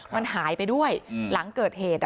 มันหายไปด้วยหลังเกิดเหตุ